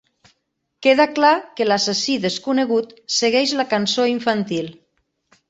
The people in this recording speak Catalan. Queda clar que l'assassí desconegut segueix la cançó infantil.